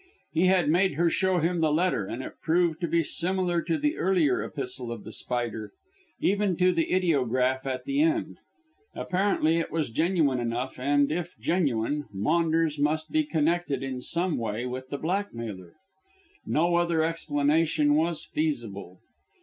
He had made her show him the letter, and it proved to be similar to the earlier epistle of The Spider, even to the ideograph at the end. Apparently it was genuine enough, and, if genuine, Maunders must be connected in some way with the blackmailer. No other explanation was feasible.